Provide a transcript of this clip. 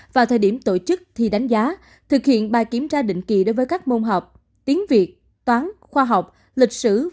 vào thời điểm tổ chức thi đánh giá thực hiện bài kiểm tra định kỳ đối với các môn học tiếng việt toán khoa học lịch sử